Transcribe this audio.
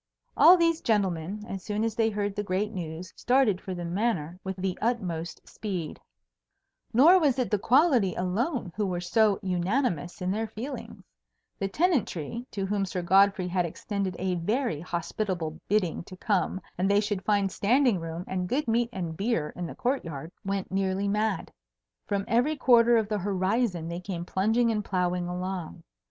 All these gentlemen, as soon as they heard the great news, started for the Manor with the utmost speed. [Illustration: Sir Thomas de Brie hastens to accept the Baron's polite Inuitation] Nor was it the quality alone who were so unanimous in their feelings. The Tenantry (to whom Sir Godfrey had extended a very hospitable bidding to come and they should find standing room and good meat and beer in the court yard) went nearly mad. From every quarter of the horizon they came plunging and ploughing along.